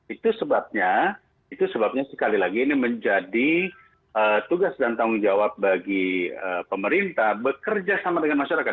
itu sebabnya itu sebabnya sekali lagi ini menjadi tugas dan tanggung jawab bagi pemerintah bekerja sama dengan masyarakat